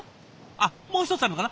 あっもう一つあるのかな？